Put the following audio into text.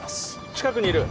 近くにいる！